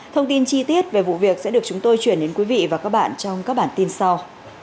thông tin chi tiết về vụ việc sẽ được chúng tôi chuyển đến quý vị và các bạn trong các bản tin sau